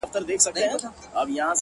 o د سترګو کي ستا د مخ سُرخي ده؛